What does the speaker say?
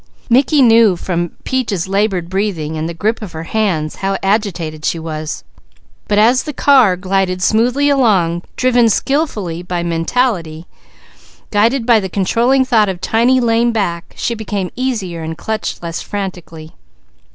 Mickey knew from Peaches' laboured breathing and the grip of her hands how agitated she was; but as the car glided smoothly along, driven skilfully by mentality, guided by the controlling thought of a tiny lame back, she became easier and clutched less frantically.